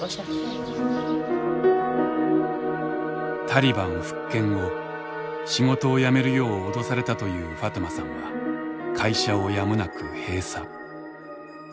タリバン復権後仕事を辞めるよう脅されたというファトゥマさんは会社をやむなく閉鎖。